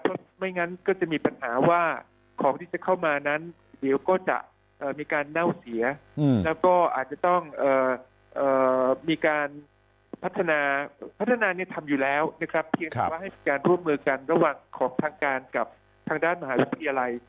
ไม่งั้นก็จะมีปัญหาว่าของที่จะเข้ามานั้นเดี๋ยวก็จะมีการเน่าเสียแล้วก็อาจจะต้องมีการพัฒนาพัฒนาเนี่ยทำอยู่แล้วนะครับเพียงแต่ว่าให้มีการร่วมมือกันระหว่างของทางการกับทางด้านมหาวิทยาลัย